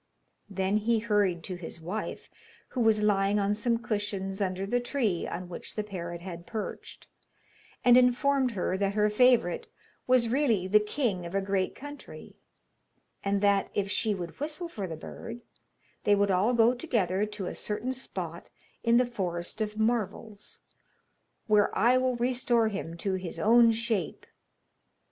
Then he hurried to his wife, who was lying on some cushions under the tree on which the parrot had perched, and informed her that her favourite was really the king of a great country, and that, if she would whistle for the bird, they would all go together to a certain spot in the Forest of Marvels, 'where I will restore him to his own shape.